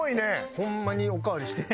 ホンマにおかわりしてる。